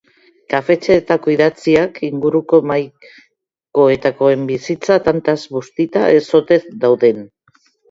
Kafetxeetako idatziak, inguruko mahaikoetakoen bizitza tantaz bustita ez ote dauden.